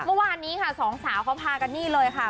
เมื่อวานนี้ค่ะสองสาวเขาพากันนี่เลยค่ะ